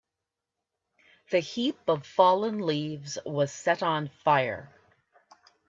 The heap of fallen leaves was set on fire.